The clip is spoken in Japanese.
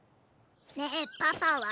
「ねえパパは？